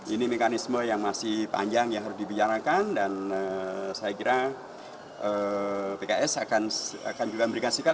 ini mekanisme yang masih panjang yang harus dibicarakan dan saya kira pks akan juga memberikan sikap